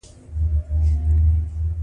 کوتره له خلکو سره مینه لري.